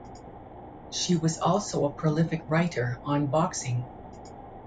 She was also a prolific writer on boxing.